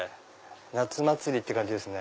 夏祭りって感じですね。